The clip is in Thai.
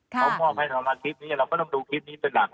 เขามอบให้สำหรับคลิปนี้เราก็ต้องดูคลิปนี้เป็นหลัก